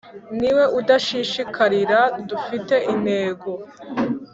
Ni umwe dushishikarira dufite intego